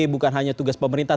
bukan hanya tugas pemerintah